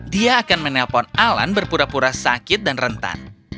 dia akan menelpon alan berpura pura sakit dan rentan